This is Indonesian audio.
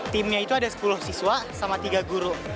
timnya itu ada sepuluh siswa sama tiga guru